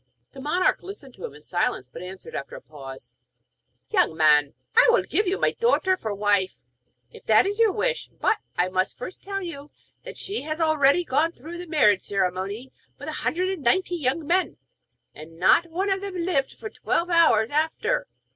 The monarch listened to him in silence; but answered, after a pause: 'Young man, I will give you my daughter to wife, if that is your wish; but first I must tell you that she has already gone through the marriage ceremony with a hundred and ninety young men, and not one of them lived for twelve hours after.